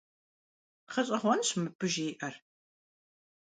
ГъэщӀэгъуэнщ мыбы жиӀэр!